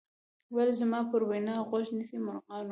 ویل زما پر وینا غوږ نیسۍ مرغانو